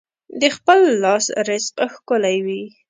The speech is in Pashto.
د خپل لاس رزق ښکلی وي.